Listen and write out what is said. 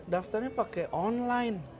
daftarnya pakai online